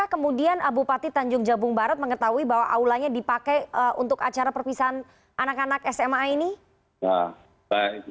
kemudian bupati tanjung jabung barat mengetahui bahwa aulanya dipakai untuk acara perpisahan anak anak sma ini